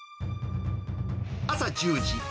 朝１０時。